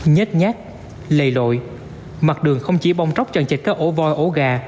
nhết nhát lề lội mặt đường không chỉ bong tróc trần trệt các ổ voi ổ gà